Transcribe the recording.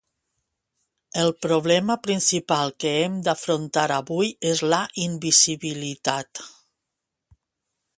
El problema principal que hem d’afrontar avui és la invisibilitat.